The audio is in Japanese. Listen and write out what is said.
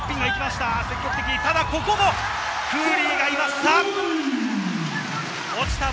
ここもクーリーがいました。